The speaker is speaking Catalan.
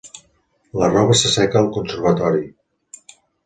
La roba s'asseca al conservatori.